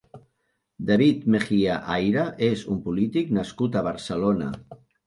David Mejía Ayra és un polític nascut a Barcelona.